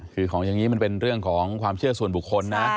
คือของอย่างนี้มันเป็นเรื่องของความเชื่อส่วนบุคคลนะ